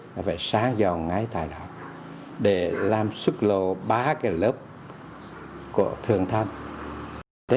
nó phải sáng dòng ngay tại đó để làm xuất lộ ba cái lớp của thường thành